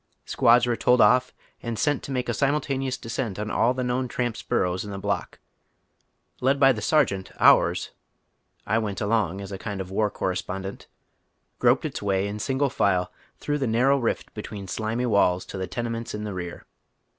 Squads were told off and sent to make a simultaneous descent on all the known tramps' buiTows in the block. Led by the sergeant, ours ^I went along as a ■ kind of war correspondent — groped its way in single file through the narrow rift between slimy walls to the tene ments in the rear.